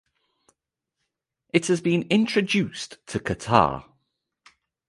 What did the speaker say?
It has been introduced to Qatar.